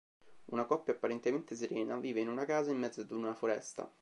Una coppia apparentemente serena vive in una casa in mezzo ad una foresta.